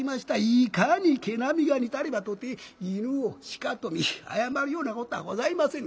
いかに毛並みが似たればとて犬を鹿と見誤るようなことはございませぬ。